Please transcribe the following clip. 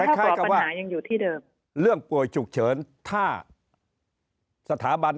คล้ายกับปัญหายังอยู่ที่เดิมเรื่องป่วยฉุกเฉินถ้าสถาบัน